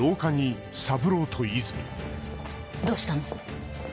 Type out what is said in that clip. どうしたの？